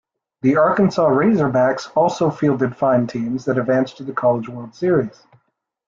The Arkansas Razorbacks also fielded fine teams that advanced to the College World Series.